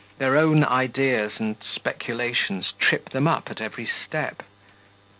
Their own ideas and speculations trip them up at every step.